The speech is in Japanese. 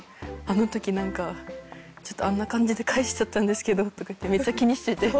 あの時なんかちょっとあんな感じで返しちゃったんですけど」とか言ってめっちゃ気にしてて。